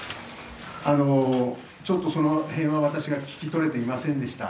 ちょっとその辺は私が聞き取れていませんでした。